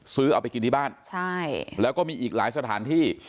ซื้อเอาไปกินที่บ้านใช่แล้วก็มีอีกหลายสถานที่